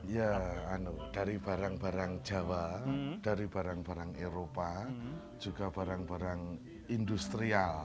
ya dari barang barang jawa dari barang barang eropa juga barang barang industrial